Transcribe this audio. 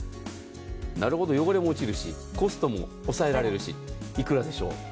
なるほど、汚れも落ちるしコストも抑えられるし幾らでしょう？